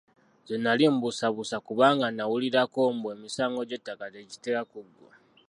Nze nali mbuusabuusa, kubanga nnawulirako mbu emisango gy'ettaka tegitera kuggwa.